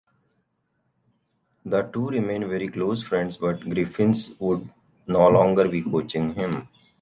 The two remained very close friends, but Griffiths would no longer be coaching him.